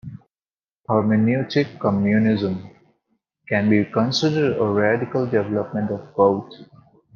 "Hermeneutic Communism" can be considered a radical development of both.